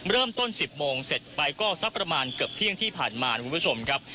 เริ่มต้น๑๐โมงเสร็จไปก็สักประมาณเกือบเที่ยงที่ผ่านมาคุณผู้ชมครับ